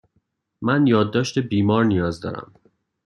من یادداشت بیمار نیاز دارم.